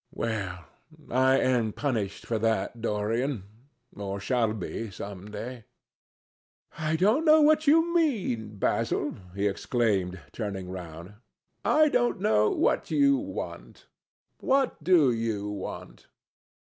"Well, I am punished for that, Dorian—or shall be some day." "I don't know what you mean, Basil," he exclaimed, turning round. "I don't know what you want. What do you want?"